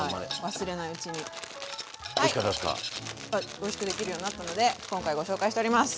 おいしくできるようになったので今回ご紹介しております！